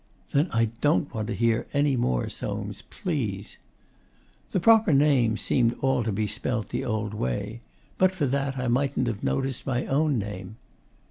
'Then I don't want to hear any more, Soames, please.' 'The proper names seemed all to be spelt in the old way. But for that, I mightn't have noticed my own name.